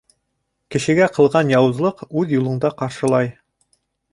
Кешегә ҡылған яуызлыҡ үҙ юлыңда ҡаршылай.